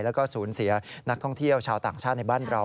แล้วก็สูญเสียนักท่องเที่ยวชาวต่างชาติในบ้านเรา